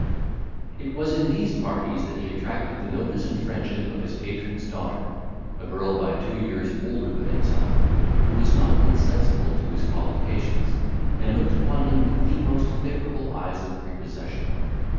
It was in these parties that he attracted the notice and friendship of his patron's daughter, a girl by two years older than himself, who was not insensible to his qualifications, and looked upon him with the most favourable eyes of prepossession.